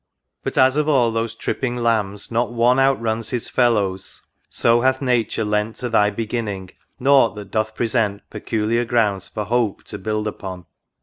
But as of all those tripping lambs not one Outruns his fellows, so hath nature lent To thy beginning nought that doth present Peculiar grounds for hope to build upon.